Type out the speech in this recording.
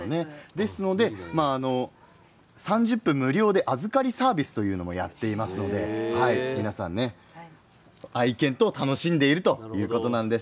ですので３０分無料で預かりサービスというものもやっていますので皆さん、愛犬と楽しんでいるということなんです。